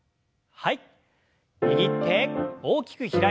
はい。